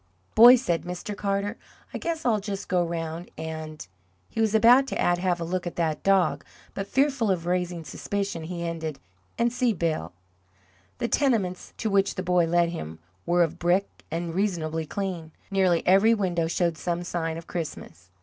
"Boy," said Mr. Carter, "I guess I'll just go round and" he was about to add, "have a look at that dog," but fearful of raising suspicion, he ended "and see Bill." The tenements to which the boy led him were of brick, and reasonably clean. Nearly every window showed some sign of Christmas.